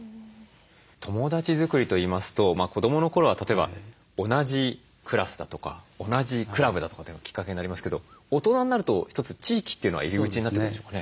友だち作りといいますと子どもの頃は例えば同じクラスだとか同じクラブだとかいうのがきっかけになりますけど大人になると一つ地域というのが入り口になってくるんでしょうかね？